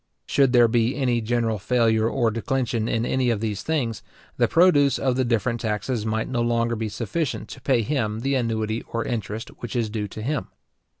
Should there be any general failure or declension in any of these things, the produce of the different taxes might no longer be sufficient to pay him the annuity or interest which is due to him.